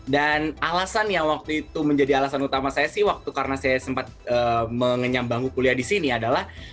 dan alasan yang waktu itu menjadi alasan utama saya sih waktu karena saya sempat mengenyambangku kuliah di sini adalah